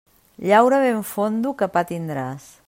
Llaura ben fondo, que pa tindràs.